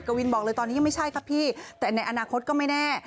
วินบอกเลยตอนนี้ยังไม่ใช่ครับพี่แต่ในอนาคตก็ไม่แน่